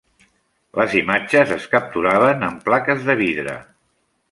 Les imatges es capturaven amb plaques de vidre.